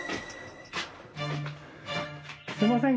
すいません。